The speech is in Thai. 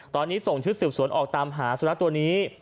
ตอนนี้ส่งชุดสืบสวนออกตามหาสุนัขตัวนี้